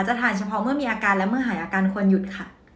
ทานเฉพาะเมื่อมีอาการและเมื่อหายอาการควรหยุดค่ะ